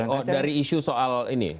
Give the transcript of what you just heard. oh dari isu soal ini